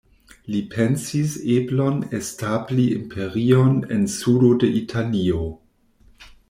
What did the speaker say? Li pensis eblon establi imperion en sudo de Italio.